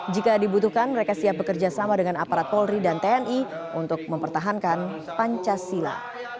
jika dibutuhkan mereka siap bekerja sama dengan aparat polri dan tni untuk mempertahankan pancasila